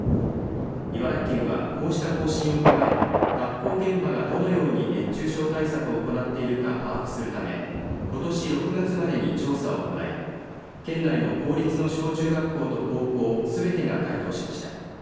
茨城県はこうした方針を踏まえ学校現場がどのように熱中症対策を行っているか把握するためことし６月までに調査を行い県内の公立の小中学校と高校すべてが回答しました。